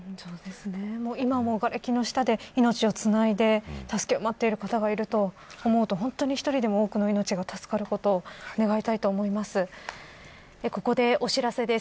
今もがれきの下で命をつないで助けを待っている方がいると思うと１人でも多くの命が助かることを願いたいと思います。